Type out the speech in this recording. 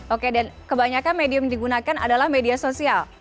oke dan kebanyakan medium digunakan adalah media sosial